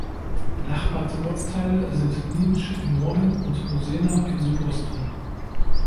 Benachbarte Ortsteile sind Niemtsch im Norden und Hosena im Südosten.